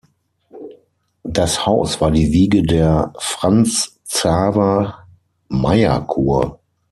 Das Haus war die Wiege der „Franz-Xaver-Mayr-Kur“.